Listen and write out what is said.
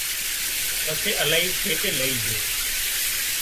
پسي الاهي سيٽي لئي جھو